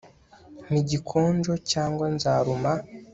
Mpa igikonjo cyangwa nzaruma